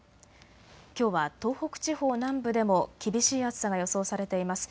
きょうは東北地方南部でも厳しい暑さが予想されています。